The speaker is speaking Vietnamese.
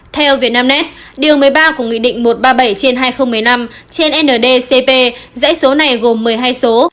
theo vietnamnet điều một mươi ba của nghị định một trăm ba mươi bảy trên hai nghìn một mươi năm trên ndcp dãy số này gồm một mươi hai số